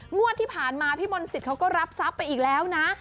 งวดที่ผ่านมาพี่มนต์สิทธิ์เขาก็รับทรัพย์ไปอีกแล้วนะ